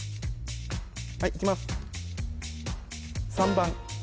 はいいきます